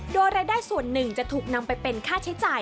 โดยรายได้ส่วนหนึ่งจะถูกนำไปเป็นค่าใช้จ่าย